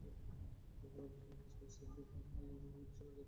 দুর্বলতাগুলো নিয়ে ম্যাচ পরিস্থিতির মতো করে অনুশীলনই যথেষ্ট হবে আশা করি।